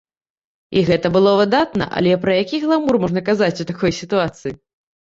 І гэта было выдатна, але пра які гламур можна казаць у такой сітуацыі?